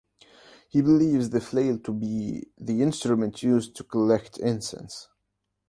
He believes the flail to be the instrument used to collect incense.